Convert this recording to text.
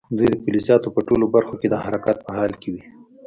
دوی د فلزاتو په ټولو برخو کې د حرکت په حال کې وي.